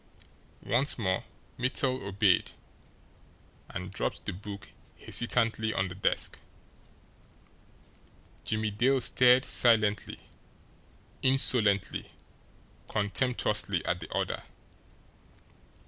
Once more Mittel obeyed and dropped the book hesitantly on the desk. Jimmie Dale stared silently, insolently, contemptuously at the other.